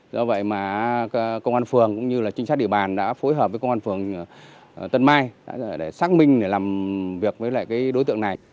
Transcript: do vậy mà công an phường cũng như là trinh sát địa bàn đã phối hợp với công an phường tân mai để xác minh để làm việc với lại cái đối tượng này